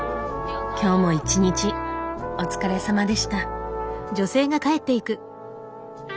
今日も一日お疲れさまでした。